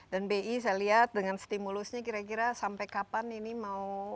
dan bi saya lihat dengan stimulusnya kira kira sampai kapan ini mau